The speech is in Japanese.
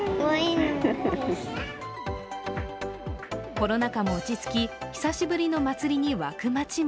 コロナ禍も落ち着き久しぶりの祭りに沸く街も。